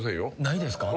ないですか。